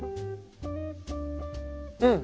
うん！